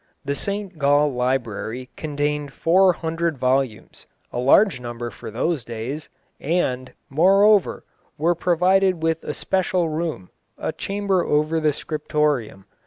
The St Gall library contained four hundred volumes, a large number for those days, and, moreover, was provided with a special room, a chamber over the scriptorium.